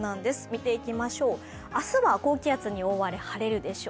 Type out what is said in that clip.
見ていきましょう、明日は高気圧に覆われ、晴れるでしょう。